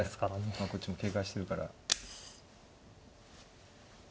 まあこっちも警戒してるから。